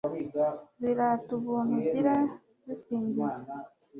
zirata ubuntu ugira, zisingiza